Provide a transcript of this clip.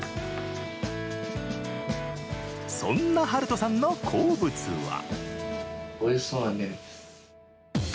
そんな春翔さんの好物は。